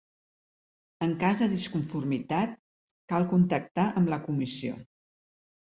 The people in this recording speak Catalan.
En cas de disconformitat cal contactar amb la Comissió.